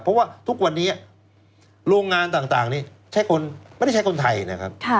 เพราะว่าทุกวันนี้โรงงานต่างนี่ไม่ได้ใช้คนไทยนะครับ